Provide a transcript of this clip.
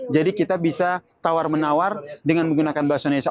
jadi kita bisa tawar menawar dengan menggunakan bahasa indonesia